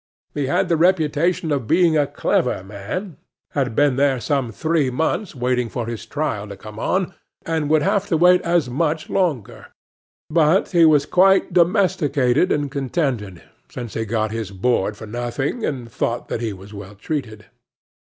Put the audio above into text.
He had the reputation of being a clever man, had been there some three months waiting for his trial to come on, and would have to wait as much longer; but he was quite domesticated and contented, since he got his board for nothing, and thought that he was well treated.